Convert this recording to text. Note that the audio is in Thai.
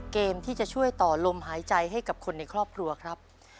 เกมที่จะช่วยต่อลมหายใจให้กับคนในครอบครัวครับ